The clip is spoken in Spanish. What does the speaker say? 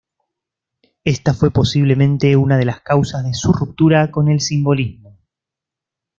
Esta fue posiblemente una de las causas de su ruptura con el simbolismo.